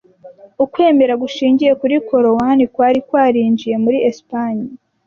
ukwemera gushingiye kuri Korowani kwari kwarinjiye muri Esipanye